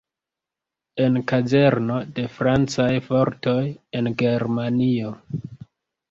En kazerno de francaj fortoj, en Germanio.